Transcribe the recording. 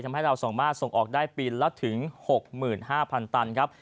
ทำให้เราสามารถส่งออกได้ปีละถึง๖๕๐๐ตันครับ